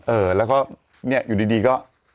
เออแล้วก็เนี่ยอยู่ดีก็